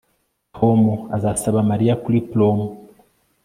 Tom azasaba Mariya kuri prom